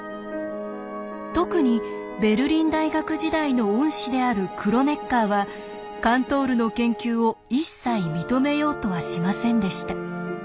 特にベルリン大学時代の恩師であるクロネッカーはカントールの研究を一切認めようとはしませんでした。